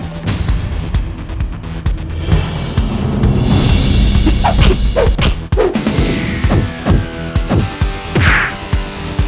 sampai kapanpun gue akan pernah jauhin putri